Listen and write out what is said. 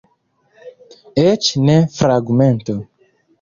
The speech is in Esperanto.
Eĉ ne fragmento.